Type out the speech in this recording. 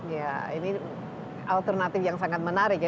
ya ini alternatif yang sangat menarik ya